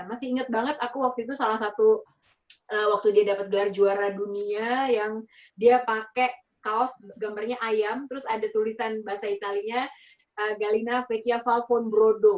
masih inget banget aku waktu itu salah satu waktu dia dapat gelar juara dunia yang dia pakai kaos gambarnya ayam terus ada tulisan bahasa italia galina vechia falvon brodo